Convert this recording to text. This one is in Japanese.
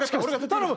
頼む！